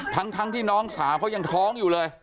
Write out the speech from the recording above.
ทั้งที่น้องสาวเขายังท้องอยู่เลย